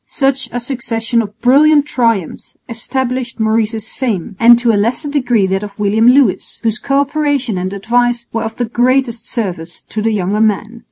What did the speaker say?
Such a succession of brilliant triumphs established Maurice's fame, and to a lesser degree that of William Lewis, whose co operation and advice were of the greatest service to the younger man.